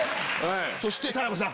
そして紗代子さん